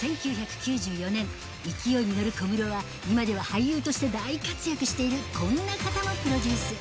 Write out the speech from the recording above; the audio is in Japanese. １９９４年、勢いに乗る小室は今では俳優として大活躍しているこんな方もプロデュース。